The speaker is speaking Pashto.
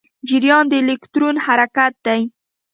جریان د الکترون حرکت دی.